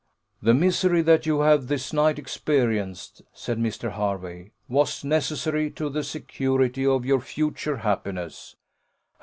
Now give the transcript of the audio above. "The misery that you have this night experienced," said Mr. Hervey, "was necessary to the security of your future happiness."